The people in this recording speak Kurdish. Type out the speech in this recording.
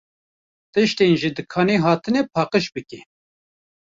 Tiştên ji dikanê hatine paqij bike.